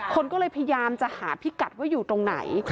คนก็เลยพยายามจะหาพิกัดว่าอยู่ตรงไหน